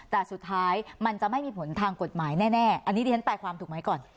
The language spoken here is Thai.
แต่สุดท้ายมันจะไม่มีผลทางกฎหมายแน่อันนี้ดิฉันแปลความถูกไหมก่อน